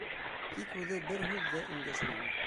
Тик үҙе бер һүҙ ҙә өндәшмәне.